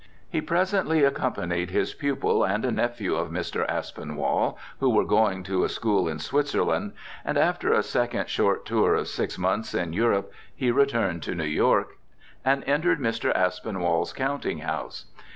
He presently accompanied his pupil and a nephew of Mr. Aspinwall, who were going to a school in Switzerland; and after a second short tour of six months in Europe he returned to New York, and entered Mr. Aspinwall's counting house.